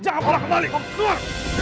jangan balik kembali kau tua